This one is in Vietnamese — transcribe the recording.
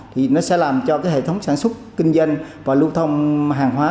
thì nó sẽ làm cho cái hệ thống sản xuất kinh doanh và lưu thông hàng hóa